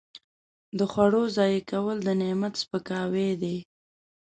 د خوړو ضایع کول د نعمت سپکاوی دی.